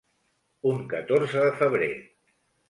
Un catorze de febrer.